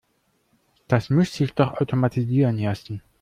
Das muss sich doch automatisieren lassen.